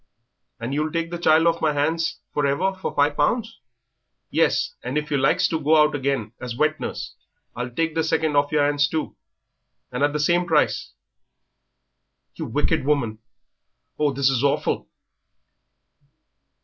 "And you'll take the child off my hands for ever for five pounds?" "Yes; and if you likes to go out again as wet nurse, I'll take the second off yer 'ands too, and at the same price." "You wicked woman; oh, this is awful!"